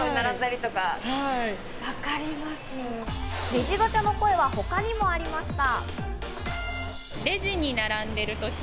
レジガチャの声は他にもありました。